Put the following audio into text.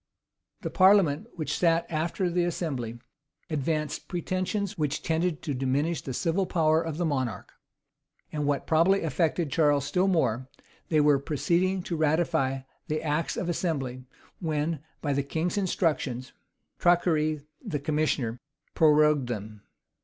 The parliament, which sat after the assembly, advanced pretensions which tended to diminish the civil power of the monarch; and, what probably affected Charles still more, they were proceeding to ratify the acts of assembly, when, by the king's instructions,[*] Traquaire, the commissioner, prorogued them.